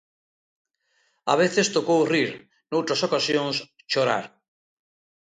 A veces tocou rir; noutras ocasións, chorar.